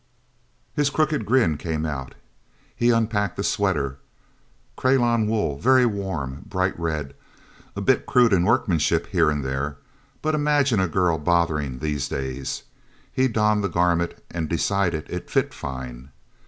His crooked grin came out; he unpacked the sweater creylon wool, very warm, bright red, a bit crude in workmanship here and there but imagine a girl bothering, these days! He donned the garment and decided it fit fine.